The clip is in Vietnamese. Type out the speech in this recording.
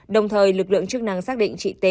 đồng thời lực lượng chức năng xác định chị t